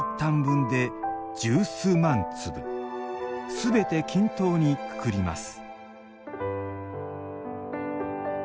すべて均等にくくります